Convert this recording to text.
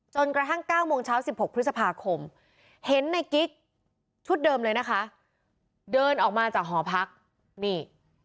จนกระทั่ง๙โมงเช้า๑๖พฤษภาคมเห็นในกิ๊กชุดเดิมเลยนะคะเดินออกมาจากหอพักนี่